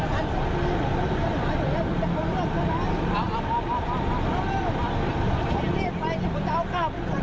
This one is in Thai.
การทำแต่ลงก็ถูกค่ะ